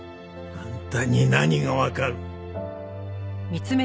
あんたに何がわかる！